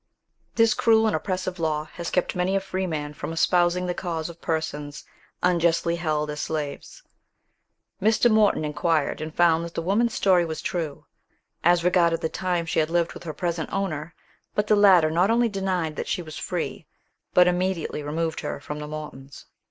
This cruel and oppressive law has kept many a freeman from espousing the cause of persons unjustly held as slaves. Mr. Morton inquired and found that the woman's story was true, as regarded the time she had lived with her present owner; but the latter not only denied that she was free, but immediately removed her from Morton's.